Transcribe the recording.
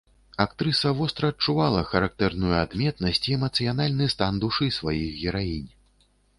Актрыса востра адчувала характарную адметнасць і эмацыянальны стан душы сваіх гераінь.